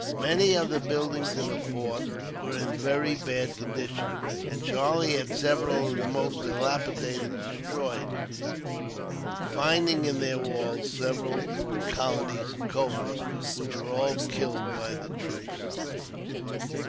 Many of the buildings in the fort were in a very bad condition, and Charlie had several of the most dilapidated destroyed, finding in their walls several colonies of cobras, which were all killed by the troops.